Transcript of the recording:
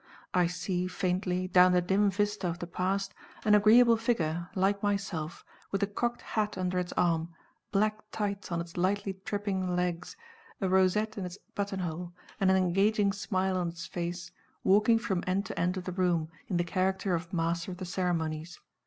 I see, faintly, down the dim vista of the Past, an agreeable figure, like myself, with a cocked hat under its arm, black tights on its lightly tripping legs, a rosette in its buttonhole, and an engaging smile on its face, walking from end to end of the room, in the character of Master of the Ceremonies.